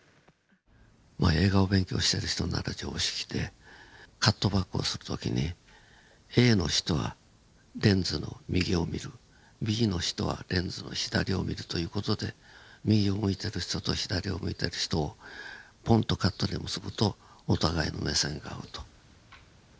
まあ映画を勉強している人なら常識でカットバックをする時にＡの人はレンズの右を見るＢの人はレンズの左を見るという事で右を向いてる人と左を向いてる人をポンとカットで結ぶとお互いの目線が合うと。